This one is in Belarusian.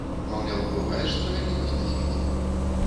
Маўляў, бывае ж справядлівасць на свеце!